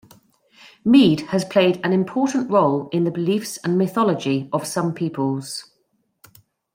Mead has played an important role in the beliefs and mythology of some peoples.